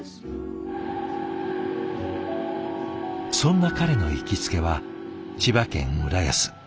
そんな彼の行きつけは千葉県浦安。